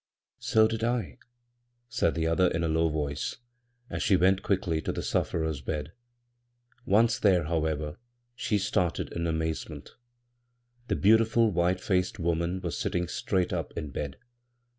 " So did I," said the other in a low voice, as she went quickly to the sufierer's bed. Once th^e, however, she started in amaze ment The beautiful white faced woman was sit ting straight up in bed.